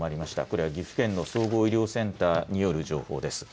これは岐阜県の総合医療センターによる情報です。